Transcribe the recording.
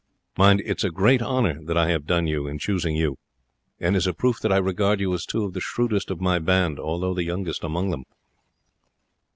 Mind, it is a great honour that I have done you in choosing you, and is a proof that I regard you as two of the shrewdest of my band, although the youngest among them."